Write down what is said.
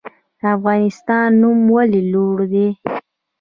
د افغانستان نوم ولې لوړ دی؟